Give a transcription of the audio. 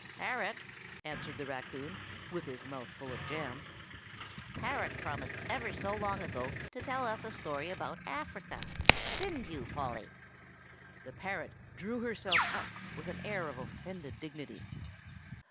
"Parrot," answered the raccoon, with his mouth full of jam. "Parrot promised ever so long ago to tell us a story about Africa. Didn't you, Polly?" The parrot drew herself up with an air of offended dignity.